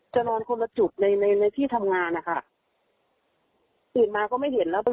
นอนคนละจุดในในที่ทำงานนะคะตื่นมาก็ไม่เห็นแล้ว